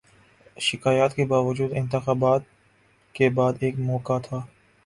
شکایات کے باوجود، انتخابات کے بعد ایک موقع تھا۔